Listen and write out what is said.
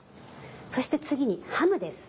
そして次にハムです。